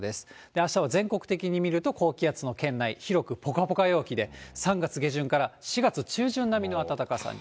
あしたは全国的に見ると高気圧の圏内、広くぽかぽか陽気で、３月上旬から４月中旬並みの暖かさに。